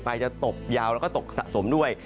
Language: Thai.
จะตกยาวแล้วก็ตกสะสมด้วย